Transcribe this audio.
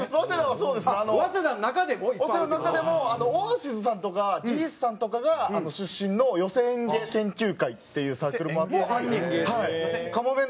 早稲田の中でもオアシズさんとかギースさんとかが出身の寄席演芸研究会っていうサークルも。もあんねんや。